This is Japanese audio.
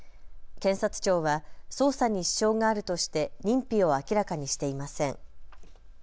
検察庁は捜査に支障があるとして認否を明らかにしていません。